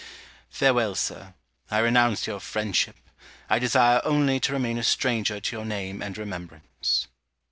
Farewel, Sir. I renounce your friendship. I desire only to remain a stranger to your name and remembrance.